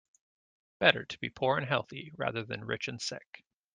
Better to be poor and healthy rather than rich and sick.